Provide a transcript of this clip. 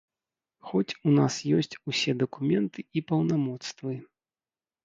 Хоць у нас ёсць усе дакументы і паўнамоцтвы.